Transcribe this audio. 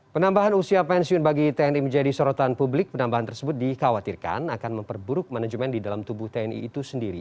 penambahan usia pensiun bagi tni menjadi sorotan publik penambahan tersebut dikhawatirkan akan memperburuk manajemen di dalam tubuh tni itu sendiri